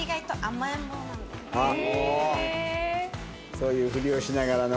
そういうふりをしながらの。